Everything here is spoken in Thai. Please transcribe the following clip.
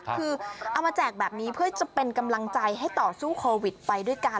คือเอามาแจกแบบนี้เพื่อจะเป็นกำลังใจให้ต่อสู้โควิดไปด้วยกัน